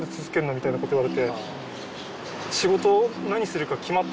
みたいなこと言われて。